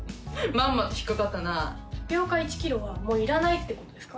まんまと引っ掛かったなタピオカ１キロはもういらないってことですか？